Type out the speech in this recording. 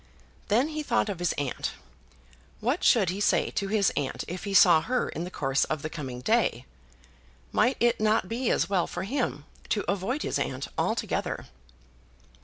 Then he thought of his aunt. What should he say to his aunt if he saw her in the course of the coming day? Might it not be as well for him to avoid his aunt altogether?